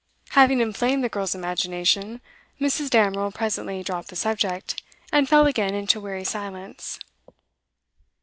Having inflamed the girl's imagination, Mrs. Damerel presently dropped the subject, and fell again into weary silence.